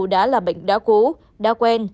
đã là bệnh đã cũ đã quen